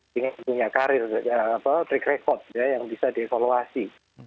dengan punya karir ya apa trick record ya yang bisa dievaluasi